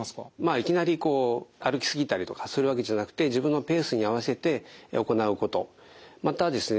いきなり歩きすぎたりとかするわけじゃなくて自分のペースに合わせて行うことまたですね